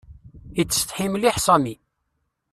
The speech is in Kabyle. Ittsetḥi mliḥ Sami.